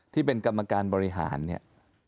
ที่เป็นกรรมการบริหารเนี่ย